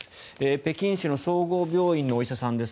北京市の総合病院のお医者さんです。